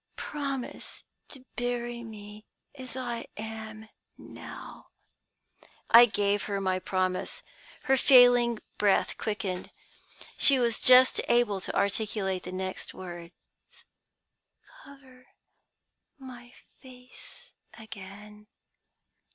Promise to bury me as I am now.' "I gave her my promise. "Her failing breath quickened. She was just able to articulate the next words: "'Cover my face again.'